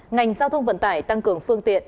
ngành giao thông vận tải tăng cường phương tiện